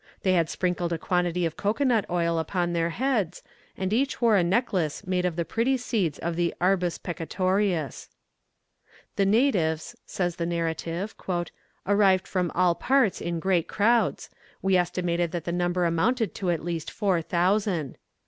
They had sprinkled a quantity of cocoa nut oil upon their heads, and each wore a necklace made of the pretty seeds of the arbus peccatorius. "The natives," says the narrative, "arrived from all parts in great crowds; we estimated that the number amounted to at least four thousand.